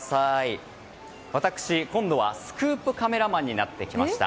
私、今度はスクープカメラマンになってきました。